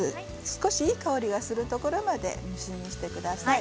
少しいい香りがするところまで蒸し煮にしてください。